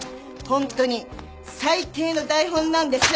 ホントに最低の台本なんです。